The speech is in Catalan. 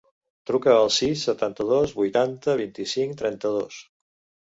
Truca al sis, setanta-dos, vuitanta, vint-i-cinc, trenta-dos.